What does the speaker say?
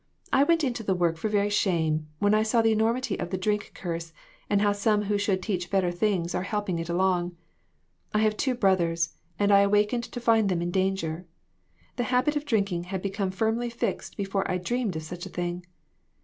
I went into the work for very shame, when I saw the enormity of the drink curse and how some who should teach better things are helping it along. I have two brothers, and I awakened to find them in danger. The habit of drinking had become firmly fixed before I dreamed of such a thing.